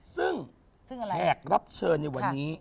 ซึ่งแขกรับเชิญในวันนี้